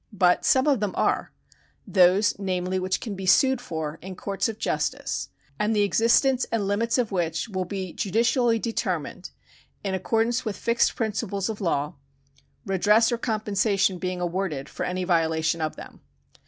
But some of them are ; those, namely, which can be sued for in courts of justice, and the existence and limits of which will be judicially determined in accord ance with fixed principles of law, redress or compensation being awarded for any violation of them.